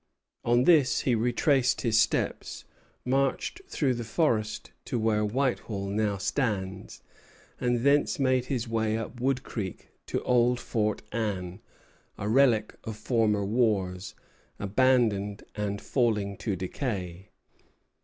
On this he retraced his steps, marched through the forest to where Whitehall now stands, and thence made his way up Wood Creek to old Fort Anne, a relic of former wars, abandoned and falling to decay.